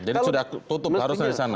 jadi sudah tutup harus dari sana